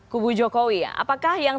kubu jokowi ya apakah yang